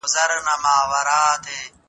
د کلتور پېژندنه د خلکو تر مینځ درک زیاتوي.